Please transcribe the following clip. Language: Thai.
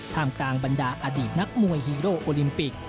กลางบรรดาอดีตนักมวยฮีโร่โอลิมปิก